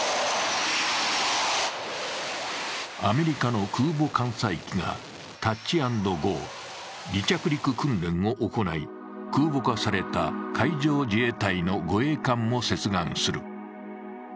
アメリカの空母艦載機がタッチ・アンド・ゴー、離着陸訓練を行い、空母化された海上自衛隊の護衛艦も接岸する。